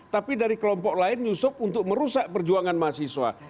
tapi dari kelompok lain nyusup untuk merusak perjuangan mahasiswa